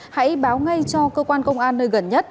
hãy báo ngay cho cơ quan công an nơi gần nhất